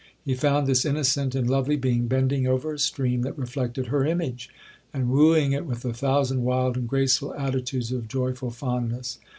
He found this innocent and lovely being bending over a stream that reflected her image, and wooing it with a thousand wild and graceful attitudes of joyful fondness.